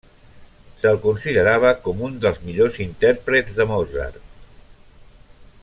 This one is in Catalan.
Se'l considerava com un dels millors intèrprets de Mozart.